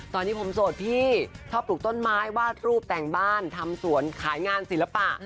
ตอนนี้ผมโสดพี่ชอบปลูกต้นไม้วาดรูปแต่งบ้านทำสวนขายงานศิลปะ